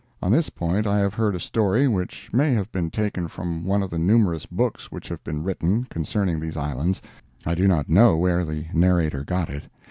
On this point, I have heard a story, which may have been taken from one of the numerous books which have been written, concerning these islands—I do not know where the narrator got it.